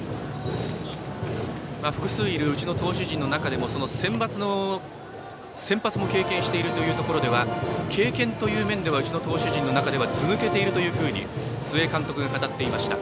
複数いる、うちの投手陣の中でもセンバツの先発も経験しているというところでは経験という面ではうちの投手陣の中では図抜けていると須江監督が語っていました